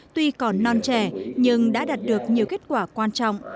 tuy còn non trẻ nhưng đã đạt được nhiều kết quả quan trọng